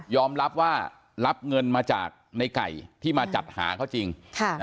รับว่ารับเงินมาจากในไก่ที่มาจัดหาเขาจริง